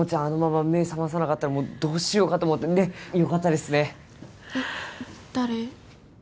あのまま目覚まさなかったらどうしようかと思ってよかったですね誰？